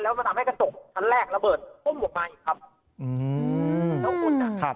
แล้วมันทำให้กระจกชั้นแรกระเบิดตุ้มออกมาอีกครับอืมทั้งคุณอ่ะครับ